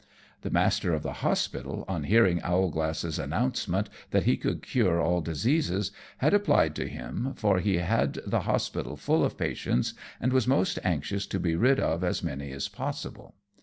The master of the hospital, on hearing Owlglass's announcement that he could cure all diseases, had applied to him, for he had the hospital full of patients, and was most anxious to be rid of as many as possible.